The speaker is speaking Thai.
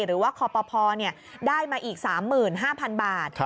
หรือว่าครอบครัวพอเนี่ยได้มาอีก๓๕๐๐๐บาท